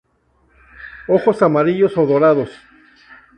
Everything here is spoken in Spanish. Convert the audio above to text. Ojos amarillos o dorados.